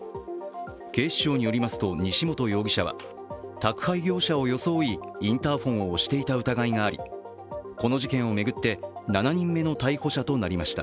警視庁によりますと、西本容疑者は宅配業者を装いインターフォンを押していた疑いがありこの事件を巡って、７人目の逮捕者となりました。